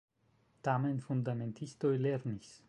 Tamen fundamentistoj lernis.